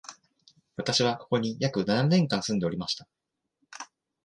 私は、ここに約七年間住んでおりました